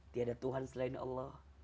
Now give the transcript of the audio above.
tidak ada tuhan selain allah